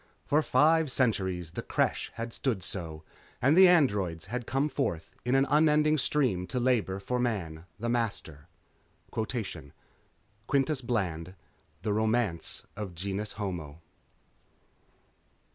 For five centuries the Creche had stood so, and the Androids had come forth in an unending stream to labor for Man, the Master...._ _Quintus Bland, The Romance of Genus Homo.